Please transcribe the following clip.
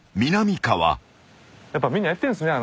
やっぱみんなやってんすね。